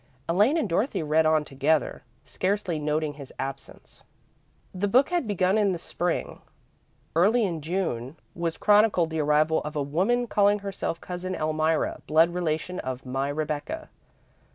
Elaine and Dorothy read on together, scarcely noting his absence. The book had begun in the Spring. Early in June was chronicled the arrival of "a woman calling herself Cousin Elmira, blood relation of my Rebecca.